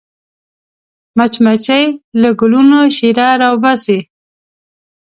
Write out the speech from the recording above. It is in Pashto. مچمچۍ له ګلونو شیره راوباسي